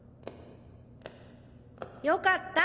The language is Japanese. よかった。